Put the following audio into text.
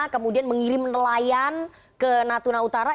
kemudian mengirim nelayan ke natuna utara